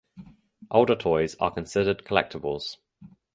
Older toys are considered collectibles.